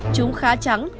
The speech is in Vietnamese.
chúng khá trắng